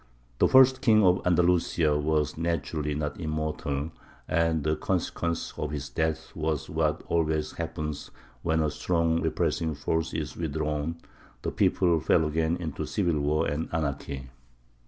The first king of Andalusia was naturally not immortal; and the consequence of his death was what always happens when a strong repressing force is withdrawn: the people fell again into civil war and anarchy.